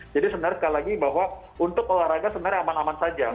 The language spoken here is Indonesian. jadi sebenarnya sekali lagi bahwa untuk olahraga sebenarnya aman aman saja